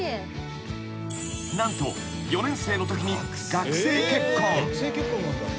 ［何と４年生のときに学生結婚］